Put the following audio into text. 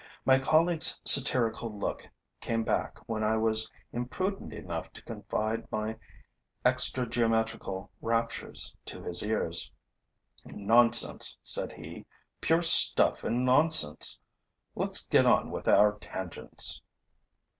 My colleague's satirical look came back when I was imprudent enough to confide my extrageometrical raptures to his ears: 'Nonsense,' said he, 'pure stuff and nonsense! Let's get on with our tangents.'